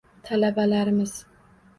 Talabalarimiz